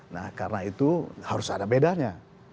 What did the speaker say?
nah karena itu harus ada bedanya